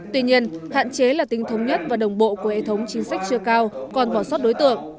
tuy nhiên hạn chế là tính thống nhất và đồng bộ của hệ thống chính sách chưa cao còn bỏ sót đối tượng